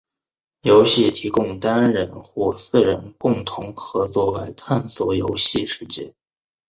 游戏提供单人或四人共同合作来探索游戏世界。